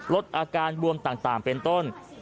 ลดอาการบวมต่างเป็นต้น